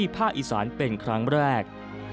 ในอิสรันเป็นครั้งแรก